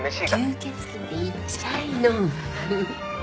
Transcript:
吸血鬼って言っちゃいな。